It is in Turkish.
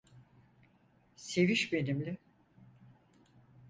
Seviş benimle.